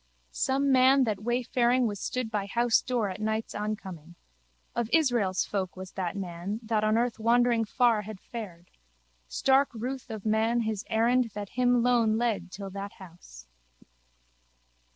Some man that wayfaring was stood by housedoor at night's oncoming. Of Israel's folk was that man that on earth wandering far had fared. Stark ruth of man his errand that him lone led till that house.